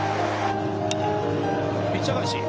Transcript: ピッチャー返し。